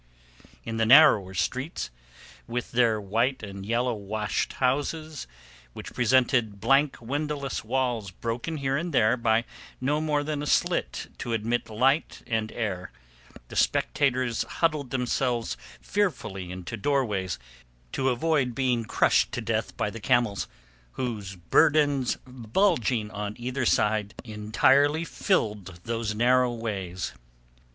In the narrower streets, with their white and yellow washed houses, which presented blank windowless walls broken here and there by no more than a slit to admit light and air, the spectators huddled themselves fearfully into doorways to avoid being crushed to death by the camels, whose burdens bulging on either side entirely filled those narrow ways.